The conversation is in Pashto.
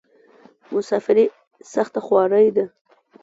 مسافري سخته خواری ده.